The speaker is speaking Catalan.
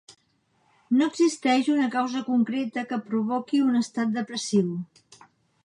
No existeix una causa concreta que provoqui un estat depressiu.